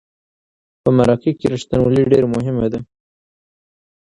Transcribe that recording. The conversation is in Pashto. په مرکه کې رښتینولي ډیره مهمه ده.